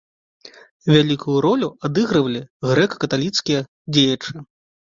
Вялікую ролю адыгрывалі грэка-каталіцкія дзеячы.